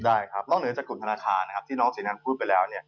ได้ครับนอกเหนือจากกลุ่มธนาคารที่น้องเสียงนั้นพูดไปแล้ว